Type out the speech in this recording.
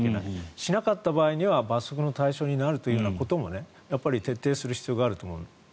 しなかった時には罰則の対象になるということも徹底する必要があると思います。